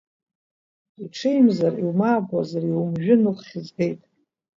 Иҽеимзар, иумаабуазар, иумжәын, уххьзгеит.